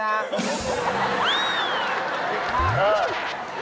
๑๕บาท